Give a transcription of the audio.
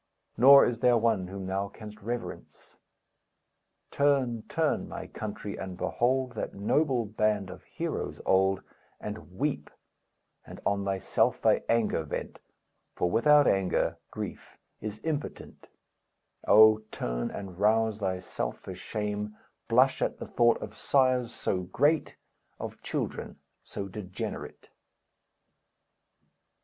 Nor is there one whom thou canst reverence! Turn, turn, my country, and behold That noble band of heroes old, And weep, and on thyself thy anger vent, For without anger, grief is impotent: Oh, turn, and rouse thyself for shame, Blush at the thought of sires so great, Of children so degenerate!